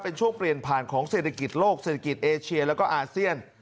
เป็นช่วงเปลี่ยนผ่านของเศรษฐกิจโลกเศรษฐกิจเอเชียแล้วก็อาเซียน